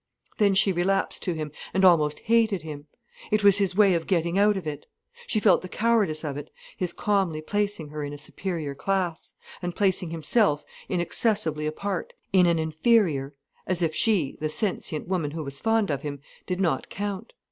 Then she relapsed to him, and almost hated him. It was his way of getting out of it. She felt the cowardice of it, his calmly placing her in a superior class, and placing himself inaccessibly apart, in an inferior, as if she, the sensient woman who was fond of him, did not count.